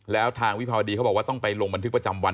แล้วทางวิภาวดีเขาบอกว่าต้องไปลงบันทึกประจำวัน